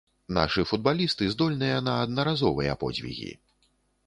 Нашы футбалісты здольныя на аднаразовыя подзвігі.